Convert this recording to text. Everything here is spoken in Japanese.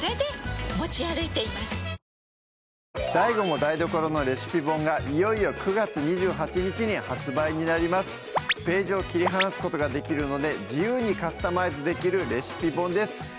ＤＡＩＧＯも台所のレシピ本がいページを切り離すことができるので自由にカスタマイズできるレシピ本です